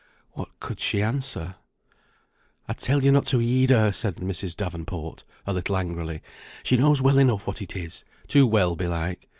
What could she answer? "I telled ye not to heed her," said Mrs. Davenport, a little angrily. "She knows well enough what it is, too well, belike.